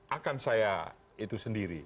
akan saya itu sendiri